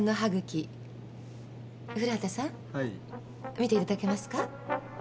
見ていただけますか？